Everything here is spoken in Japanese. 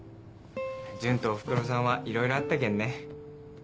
純とおふくろさんはいろいろあったけんね。